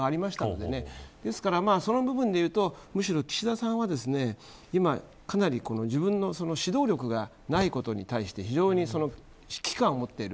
ですから、その部分でいうとむしろ岸田さんは自分の指導力がないことに対して非常に危機感を持っている。